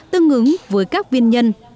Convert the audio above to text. tương ứng với các viên nhân